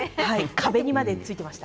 壁にまでついていました。